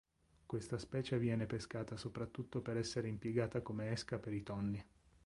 Questa specie viene pescata soprattutto per essere impiegata come esca per i tonni.